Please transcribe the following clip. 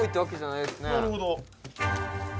「なるほど」